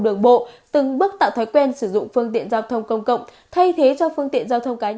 đường bộ từng bước tạo thói quen sử dụng phương tiện giao thông công cộng thay thế cho phương tiện giao thông cá